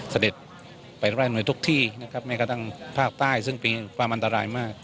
เสด็จไปร่ายหน่วยทุกที่นะครับแม้กระทั่งภาคใต้ซึ่งปีความอันตรายมาก